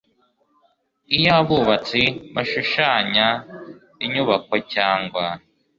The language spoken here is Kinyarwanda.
Iyo abubatsi bashushanya inyubako cyangwa